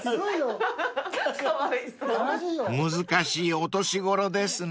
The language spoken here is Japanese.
［難しいお年頃ですね］